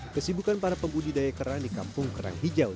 kesibukan para pembudidaya kerang di kampung kerang hijau